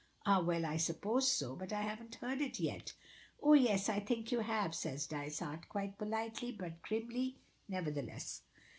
"Ah, well, I suppose so. But I haven't heard it yet." "Oh, yes, I think you have," says Dysart, quite politely, but grimly, nevertheless.